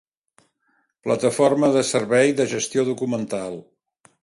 Plataforma de servei de gestió documental.